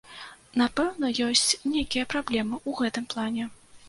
Напэўна, ёсць нейкія праблемы ў гэтым плане.